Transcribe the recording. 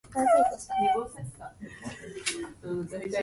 Quartermaster supplies were shipped through Troy.